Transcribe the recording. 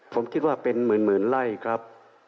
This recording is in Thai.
ผมคิดว่าเป็นหมื่นไร่ครับ